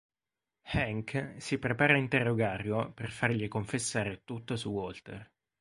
Hank si prepara a interrogarlo per fargli confessare tutto su Walter.